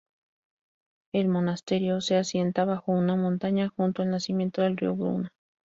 El monasterio se asienta bajo una montaña, junto al nacimiento del río Buna.